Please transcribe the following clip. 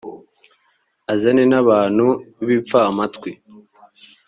uzane n abantu b ibipfamatwi